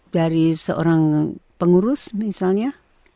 dari seorang pengurus misalnya